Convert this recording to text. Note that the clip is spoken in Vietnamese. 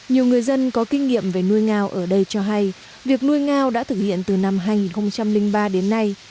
nhiều người dân có kinh nghiệm về nuôi ngao ở đây cho hay việc nuôi ngao đã thực hiện từ năm hai nghìn ba đến nay